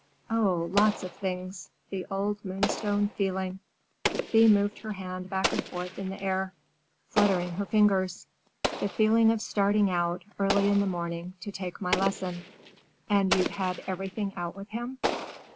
Oh, lots of things! The old Moonstone feeling,"—Thea moved her hand back and forth in the air, fluttering her fingers,—"the feeling of starting out, early in the morning, to take my lesson." "And you've had everything out with him?"